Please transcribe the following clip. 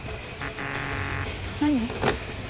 何？